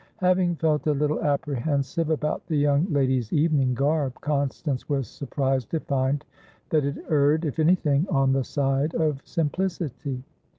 Having felt a little apprehensive about the young lady's evening garb, Constance was surprised to find that it erred, if anything, on the side of simplicity.